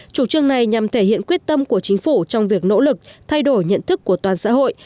chủ trương này nhằm thể hiện quyết tâm của chính phủ trong việc nỗ lực thay đổi nhận thức của toàn xã hội